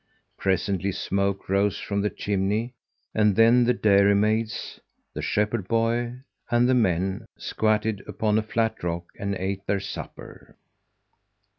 Presently smoke rose from the chimney and then the dairymaids, the shepherd boy, and the men squatted upon a flat rock and ate their supper.